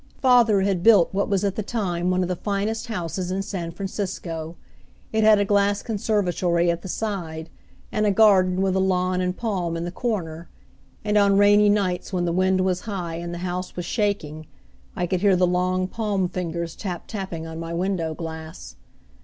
Father had built what was at the time one of the finest houses in San Francisco. It had a glass conservatory at the side, and a garden with a lawn and palm in the corner; and on rainy nights when the wind was high, and the house was shaking, I could hear the long palm fingers tap tapping on my window glass.